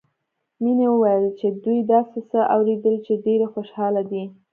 مينې وويل چې دوي داسې څه اورېدلي چې ډېرې خوشحاله دي